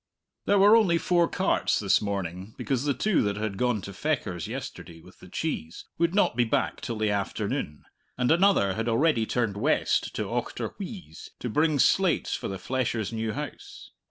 There were only four carts this morning because the two that had gone to Fechars yesterday with the cheese would not be back till the afternoon; and another had already turned west to Auchterwheeze, to bring slates for the flesher's new house.